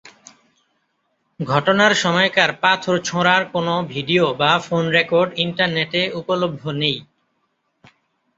ঘটনার সময়কার পাথর ছোঁড়ার কোনো ভিডিও বা ফোন রেকর্ড ইন্টারনেটে উপলভ্য নেই।